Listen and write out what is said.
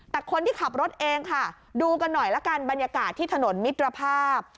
แต่คนที่ขับรถเองค่ะดูกันหน่อยละกันบรรยากาศที่ถนนมิตรภาพ